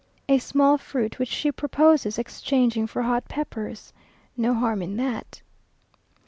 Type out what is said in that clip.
a small fruit which she proposes exchanging for hot peppers. No harm in that.